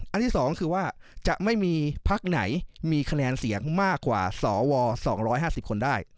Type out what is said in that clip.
ที่๒คือว่าจะไม่มีพักไหนมีคะแนนเสียงมากกว่าสว๒๕๐คนได้